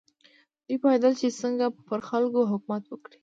دوی پوهېدل چې څنګه پر خلکو حکومت وکړي.